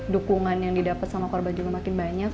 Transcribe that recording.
dukungan yang didapat sama korban juga makin banyak